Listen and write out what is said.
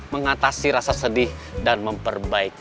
mengatasi rasa sedih dan memperbaiki